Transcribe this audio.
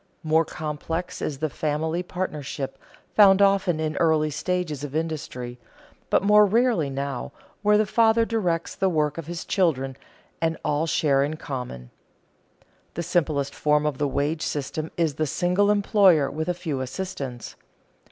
More complex is the family partnership found often in early stages of industry but more rarely now, where the father directs the work of his children and all share in common. The simplest form of the wage system is the single employer with a few assistants.